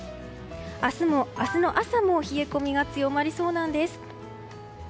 明日の朝も冷え込みが強まりそうなんです。